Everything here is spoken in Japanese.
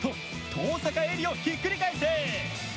登坂絵莉をひっくり返せ！